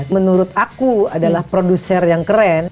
menurut aku adalah produser yang keren